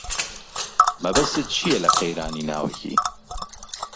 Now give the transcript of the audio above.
مەبەستت چییە لە قەیرانی ناوەکی؟